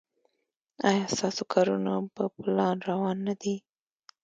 ایا ستاسو کارونه په پلان روان نه دي؟